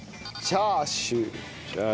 チャーシュー。